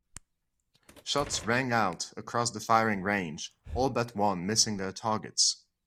Shots rang out across the firing range, all but one missing their targets.